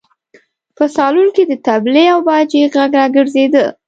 په سالون کې د تبلې او باجې غږ راګرځېده.